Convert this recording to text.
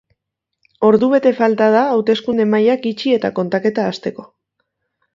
Ordubete falta da hauteskunde-mahaiak itxi eta kontaketa hasteko.